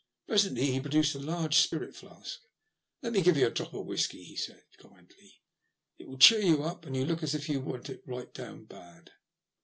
Presently he produced a large spirit flask. "Let me give you a drop of whiskey," he said, kindly. " It will cheer you up, and you look as if you want it right down bad."